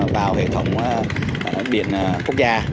vào hệ thống điện quốc gia